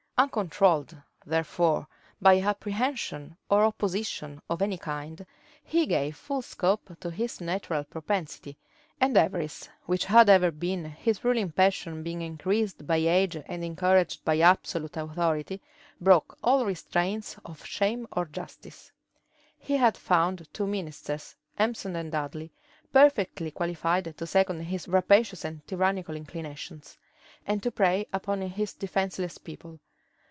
Uncontrolled, therefore, by apprehension or opposition of any kind, he gave full scope to his natural propensity; and avarice, which had ever been his ruling passion being increased by age and encouraged by absolute authority broke all restraints of shame or justice. He had found two ministers Empson and Dudley, perfectly qualified to second his rapacious and tyrannical inclinations, and to prey upon his defenceless people.